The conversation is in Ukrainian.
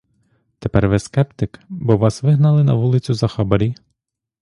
Тепер ви скептик, бо вас вигнали на вулицю за хабарі?